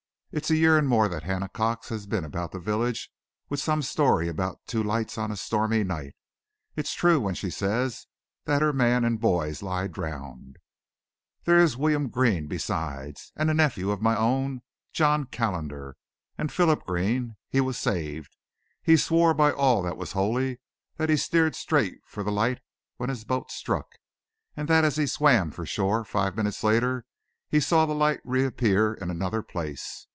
It's a year and more that Hannah Cox has been about the village with some story about two lights on a stormy night. It's true what she says that her man and boys lie drowned. There's William Green, besides, and a nephew of my own John Kallender. And Philip Green he was saved. He swore by all that was holy that he steered straight for the light when his boat struck, and that as he swam for shore, five minutes later, he saw the light reappear in another place.